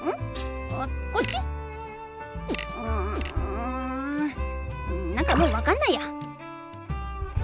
ん何かもう分かんないや。